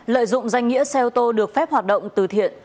lợi dụng danh nghĩa xe ô tô được phép hoạt động từ thiện